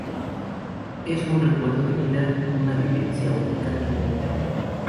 Es un recuerdo de vida, una vivencia única e inolvidable.